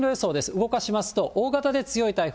動かしますと、大型で強い台風。